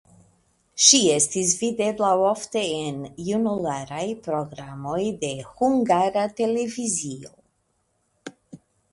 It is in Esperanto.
Ŝi estis videbla ofte en junularaj programoj de Hungara Televizio.